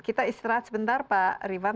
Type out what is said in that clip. kita istirahat sebentar pak rivan